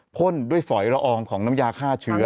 พ่นด้วยฝอยละอองของน้ำยาฆ่าเชื้อ